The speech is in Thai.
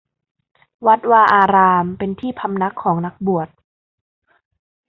วัดวาอาราม เป็นที่พำนักของนักบวช